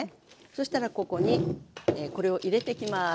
そしたらここにこれを入れてきます。